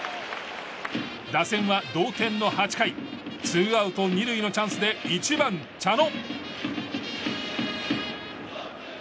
打線は同点の８回ツーアウト２塁のチャンスで１番、茶野。